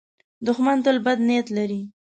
دښمن تل بد نیت لري